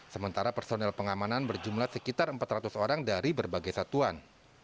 sementara personel pengamanan berjumlah sekitar empat ratus orang dari berbagai satuan